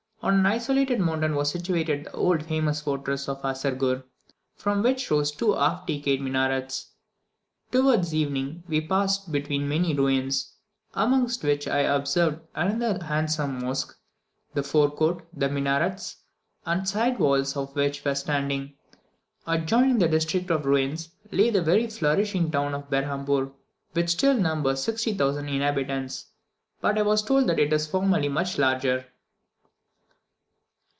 On an isolated mountain was situated the famous old fortress of Assergur, from which arose two half decayed minarets. Towards evening we passed between many ruins; amongst which I observed another handsome mosque, the fore court, the minarets, and side walls of which were standing. Adjoining this district of ruins, lay the very flourishing town of Berhampoor, which still numbers 60,000 inhabitants, but I was told that it was formerly much larger.